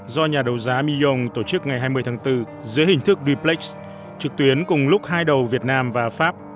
do nhà đấu giá millon tổ chức ngày hai mươi tháng bốn dưới hình thức deeplex trực tuyến cùng lúc hai đầu việt nam và pháp